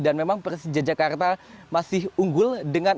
dan memang persija jakarta masih unggul